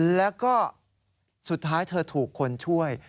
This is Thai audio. แล้วก็สุดท้ายเธอถูกคนช่วย